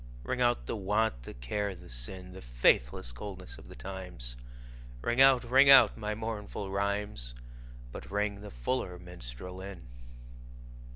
Ring out the want, the care the sin, The faithless coldness of the times; Ring out, ring out my mournful rhymes, But ring the fuller minstrel in.